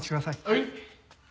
はい。